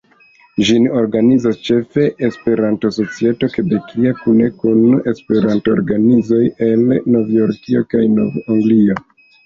Ĝin organizas ĉefe Esperanto-societo kebekia, kune kun esperanto-organizoj el Novjorkio kaj Nov-Anglio.